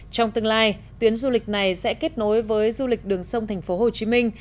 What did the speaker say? trong tương lai tuyến du lịch này sẽ kết nối với du lịch đường sông thành phố hồ chí minh